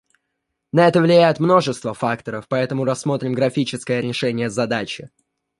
На это влияет множество факторов, поэтому рассмотрим графическое решение задачи